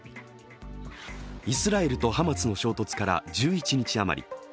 イスラエルとハマスの衝突から１１日余り。